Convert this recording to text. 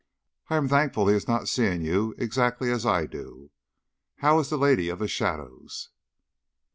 I am thankful he is not seeing you exactly as I do. How is the lady of the shadows?"